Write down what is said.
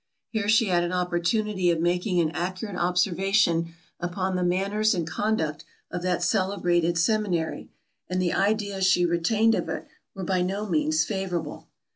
Here she had an opportunity of making an accurate observation upon the manners and conduct of that celebrated seminary, and the ideas she retained of it were by no means favourable.